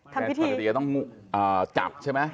ก็ต้องอยู่กับใช่มั้ย